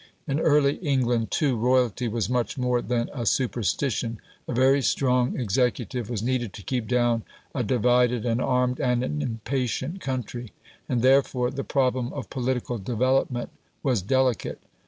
In early England, too, royalty was much more than a superstition. A very strong executive was needed to keep down a divided, an armed, and an impatient country; and therefore the problem of political development was delicate.